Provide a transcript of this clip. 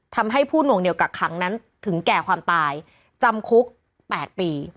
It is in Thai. ทำให้ผู้นวงเหนียวกักขังนั้นถึงแก่ความตายจำคุก๘ปี